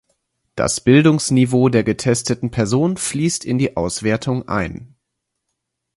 Das Bildungsniveau der getesteten Person fließt in die Auswertung ein.